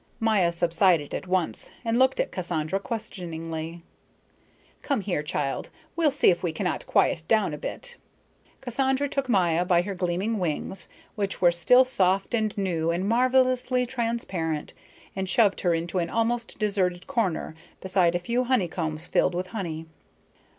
Maya subsided at once, and looked at Cassandra questioningly. "Come here, child, we'll see if we cannot quiet down a bit." Cassandra took Maya by her gleaming wings, which were still soft and new and marvelously transparent, and shoved her into an almost deserted corner beside a few honeycombs filled with honey.